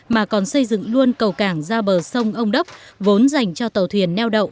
mà còn xây dựng luôn cầu cảng ra bờ sông ông đốc vốn dành cho tàu thuyền neo đậu